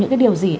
những cái điều gì